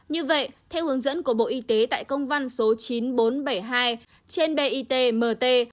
như vậy theo hướng dẫn của bộ y tế tại công văn số chín nghìn bốn trăm bảy mươi hai trên bitmt